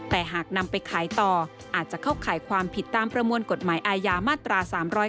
แต่หากนำไปขายต่ออาจจะเข้าข่ายความผิดตามประมวลกฎหมายอาญามาตรา๓๔